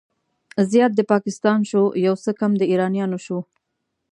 زيات د پاکستان شو، يو څه کم د ايرانيانو شو